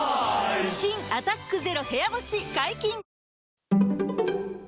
新「アタックＺＥＲＯ部屋干し」解禁‼